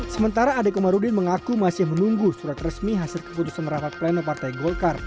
sementara ade komarudin mengaku masih menunggu surat resmi hasil keputusan rapat pleno partai golkar